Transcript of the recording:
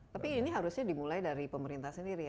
tapi ini harusnya dimulai dari pemerintah sendiri ya